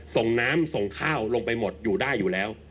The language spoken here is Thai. ส่งน้ำส่งข้าวลงไปหมดอยู่ได้อยู่แล้ว